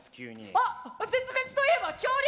あっ絶滅といえば恐竜！